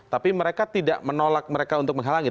tapi mereka tidak menolak mereka untuk menghalangi